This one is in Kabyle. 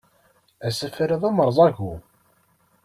Asafar-a d amerẓagu.